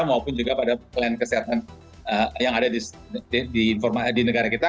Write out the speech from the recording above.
maupun juga pada pelayanan kesehatan yang ada di negara kita